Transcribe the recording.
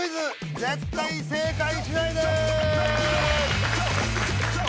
絶対に正解しないで！